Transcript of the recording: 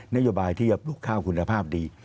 นโยบายที่จะปลูกข้าวคุณภาพดี